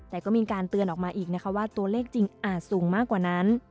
แต่ก็มีการเตือนออกมาอีกนะคะว่าตัวเลขจริงอาจสูงมากกว่านั้น